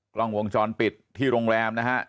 กล้องวงจรปิดที่โรงแรมนะฮะ